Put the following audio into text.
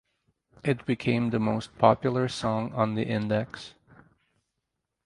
It became the most popular song on the index.